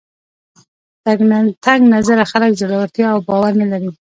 تنګ نظره خلک زړورتیا او باور نه لري